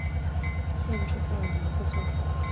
县治贝尔蒙特村。